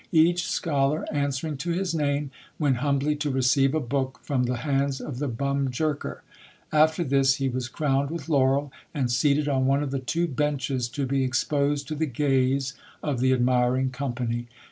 Each scholar, answering to his name, went humbly to receive a book from the hands of the bum jerker ; after this he was crowned with laurel, and seated on one of the two benches to be exposed to the gaze of the admiring company.